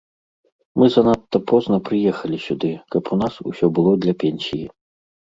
Мы занадта позна прыехалі сюды, каб у нас усё было для пенсіі.